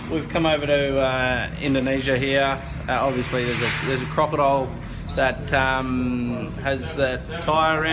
di sini ada buaya yang memiliki kereta di atas jari